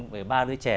về ba đứa trẻ